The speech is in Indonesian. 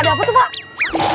ada apa tuh pak